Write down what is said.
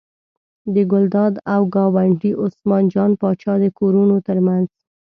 د ګلداد او ګاونډي عثمان جان پاچا د کورونو تر منځ.